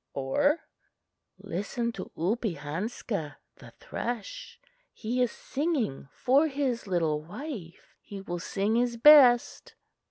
Or "Listen to Oopehanska (the thrush); he is singing for his little wife. He will sing his best."